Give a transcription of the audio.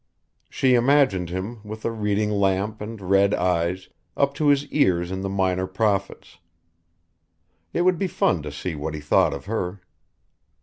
She imagined him, with a reading lamp and red eyes, up to his ears in the minor prophets. It would be fun to see what he thought of her.